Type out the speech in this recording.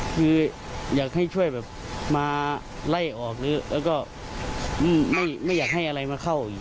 คืออยากให้ช่วยแบบมาไล่ออกหรือแล้วก็ไม่อยากให้อะไรมาเข้าอีก